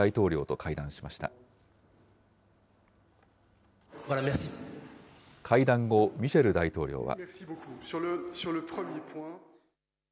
会談後、ミシェル大統領は。